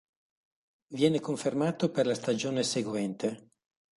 Viene confermato per la stagione seguente.